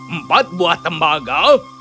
empat buah tembaga